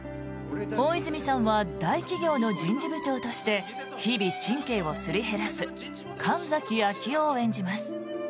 大泉さんは大企業の人事部長として日々、神経をすり減らす神崎昭夫を演じます。